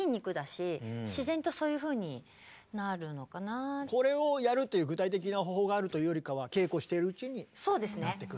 やっぱりこれをやるという具体的な方法があるというよりかは稽古してるうちになってくる？